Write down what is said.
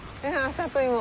里芋。